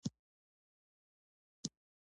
هغه نظمونه چې په واو، یا تورو پای ته رسیږي.